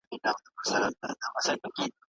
هلک او نجلۍ دواړه به په عباداتو امر کيږي.